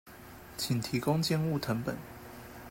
請提供建物謄本